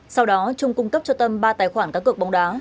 sau đó trung cung cấp cho tâm ba tài khoản các cực bóng đá